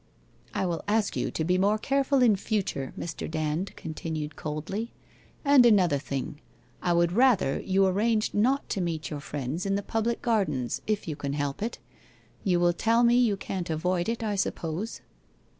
'' I will ask you to be more careful in future,' Mr. Dand continued, coldly. ' And another thing, I would rather you arranged not to meet your friends in the public gar dens, if you can help it. You will tell me you can't avoid it, I suppose